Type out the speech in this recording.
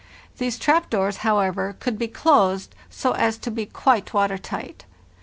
These trap doors, however, could be closed so as to be quite water tight.